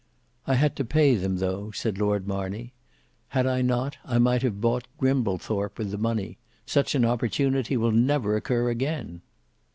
"I had to pay them though," said Lord Marney. "Had I not, I might have bought Grimblethorpe with the money; such an opportunity will never occur again."